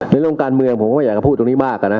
เรื่องการเมืองผมก็อยากจะพูดตรงนี้มากนะ